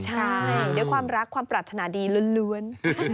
ใช่ด้วยความรักความปรารถนาดีล้วน